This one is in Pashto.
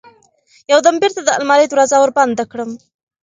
يو دم بېرته د المارى دروازه وربنده کړم.